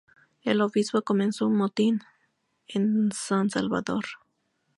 El obispo comenzó un motín en San Salvador.